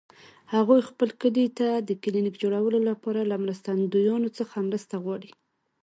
هغوی خپل کلي ته د کلینیک جوړولو لپاره له مرستندویانو څخه مرسته غواړي